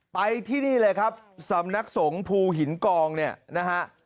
ไปที่นี่เลยครับสำนักสงฆ์ภูหินกองเนี่ยนะฮะ